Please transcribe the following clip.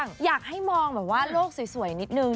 แต่อันนี้อยากให้มองโลกสวยนิดหนึ่ง